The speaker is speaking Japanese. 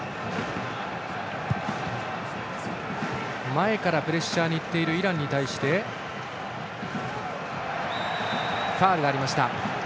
前からプレッシャーに行っているイランに対してファウルがありました。